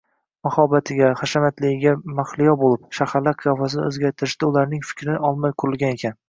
Mahobatiga, muhtashamligiga mahliyo boʻlib, shaharlar qiyofasini oʻzgartirishda ularning fikrini olmay qurilgan ekan.